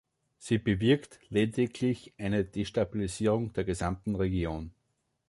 Sie bewirkt lediglich eine Destabilisierung der gesamten Region.